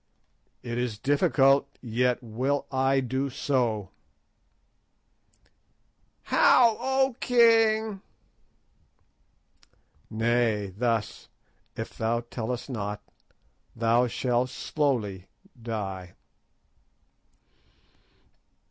"It is difficult, yet will I do so." "How, O king?" "Nay, thus; if thou tellest not thou shalt slowly die."